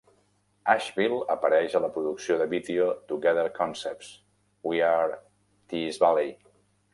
Ashville apareix a la producció de vídeo Together Concepts "We Are...Teays Valley".